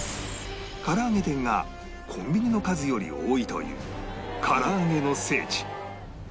から揚げ店がコンビニの数より多いというから揚げの聖地